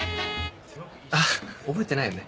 あっ覚えてないよね。